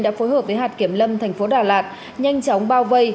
đã phối hợp với hạt kiểm lâm thành phố đà lạt nhanh chóng bao vây